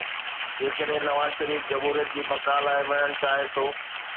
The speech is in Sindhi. جيڪڏهن نواز شريف جمهوريت جي بقاءَ لاءِ وڙهڻ چاهي ٿو.